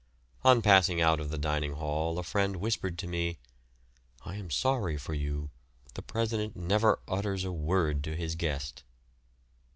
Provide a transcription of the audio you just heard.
On passing out of the dining hall a friend whispered to me, "I am sorry for you; the president never utters a word to his guest."